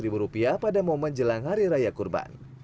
dua ratus ribu rupiah pada momen jelang hari raya kurban